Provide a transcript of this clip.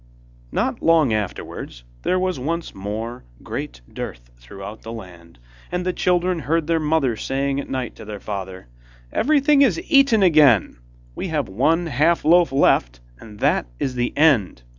Not long afterwards, there was once more great dearth throughout the land, and the children heard their mother saying at night to their father: 'Everything is eaten again, we have one half loaf left, and that is the end.